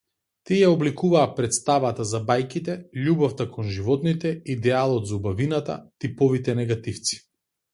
Тие ја обликуваа претставата за бајките, љубовта кон животните, идеалот за убавината, типовите негативци.